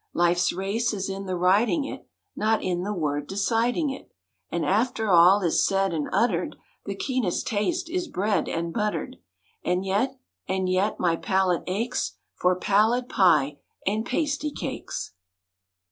Life's race is in the riding it, Not in the word deciding it. And after all is said and uttered The keenest taste is bread and buttered. (And yet and yet my palate aches For pallid pie and pasty cakes!)